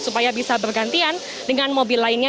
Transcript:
supaya bisa bergantian dengan mobil lainnya